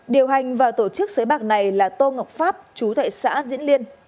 điều hành và tổ chức xới bạc này là tô ngọc pháp chú tại xã diễn liên